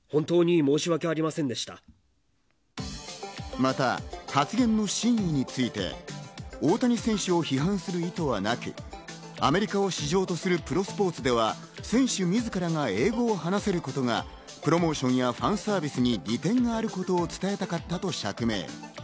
また発言の真意について、大谷選手を批判する意図はなく、アメリカを市場とするプロスポーツでは選手自らが英語を話せることがプロモーションやファンサービスに利点があることを伝えたかったと釈明。